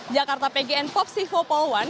jakarta pgn popsivo polwan